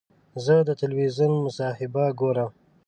زه د تلویزیون مصاحبه ګورم.